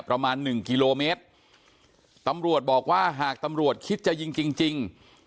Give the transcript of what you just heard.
ประมาณหนึ่งกิโลเมตรตำรวจบอกว่าหากตำรวจคิดจะยิงจริงจริง